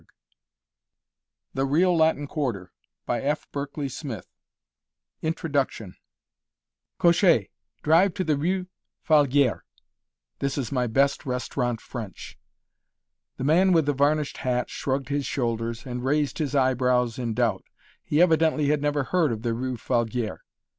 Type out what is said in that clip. Exiled 194 [Illustration: (wine bottles with glass)] INTRODUCTION "Cocher, drive to the rue Falguière" this in my best restaurant French. The man with the varnished hat shrugged his shoulders, and raised his eyebrows in doubt. He evidently had never heard of the rue Falguière.